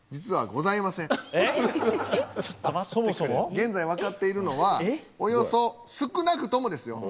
現在分かっているのはおよそ少なくともですよ